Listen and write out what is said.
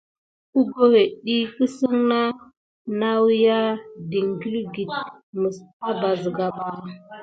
Əgohet ɗiyi kisine na nawuya deglukedi mis aba siga ba.